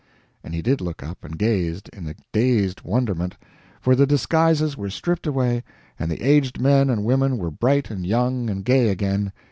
And he did look up, and gazed, in a dazed wonderment for the disguises were stripped away, and the aged men and women were bright and young and gay again.